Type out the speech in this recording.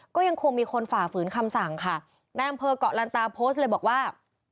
ก็ยังคงมีคนฝ่าฝืนคำสั่งค่ะนายอำเภอกเกาะลันตาโพสต์เลยบอกว่า